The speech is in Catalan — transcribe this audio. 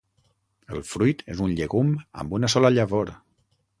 El fruit és un llegum amb una sola llavor.